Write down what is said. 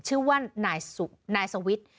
ชื่อว่านายสวิทย์